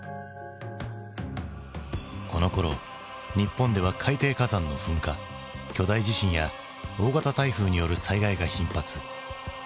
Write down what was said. このころ日本では海底火山の噴火巨大地震や大型台風による災害が頻発。